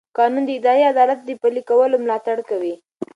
قانون د اداري عدالت د پلي کولو ملاتړ کوي.